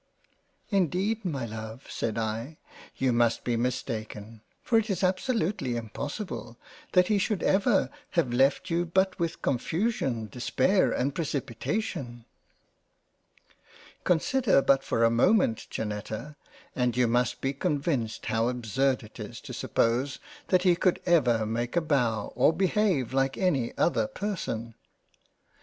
Indeed my Love (said I) you must be mis taken — for it is absolutely impossible that he should ever have left you but with Confusion, Despair, and Precipitation. F 25 £ JANE AUSTEN £ Consider but for a moment Janetta, and you must be con vinced how absurd it is to suppose that he could ever make a Bow, or behave like any other Person."